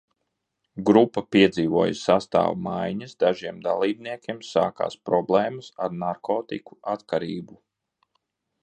Grupa piedzīvoja sastāva maiņas, dažiem dalībniekiem sākās problēmas ar narkotiku atkarību.